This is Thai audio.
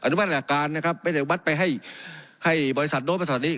อนุมัติหลักการนะครับไม่ใช่บัตรไปให้บริษัทโน้นไปตอนนี้